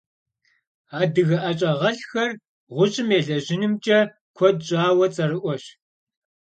Adıge 'eş'ağelh'xer ğuş'ım yêlejınımç'e kued ş'aue ts'erı'ueş.